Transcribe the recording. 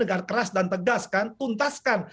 agar keras dan tegas kan tuntaskan